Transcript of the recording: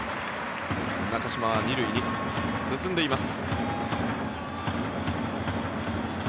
中島は２塁に進んでいます。